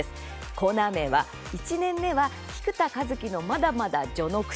コーナー名は、１年目は「菊田一樹のまだまだ序ノ口」